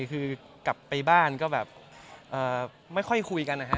คือกลับไปบ้านก็แบบไม่ค่อยคุยกันนะฮะ